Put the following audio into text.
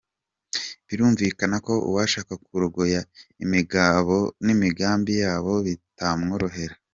Birumvikana ko uwashaka kurogoya imigabo n’imigambi yabo bitamworohera.